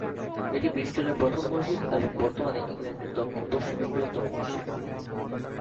এটি ব্রিস্টলের প্রথম মসজিদ এবং বর্তমানে ইংল্যান্ডের দক্ষিণ-পশ্চিমের বৃহত্তম মসজিদ।